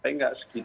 saya tidak mencari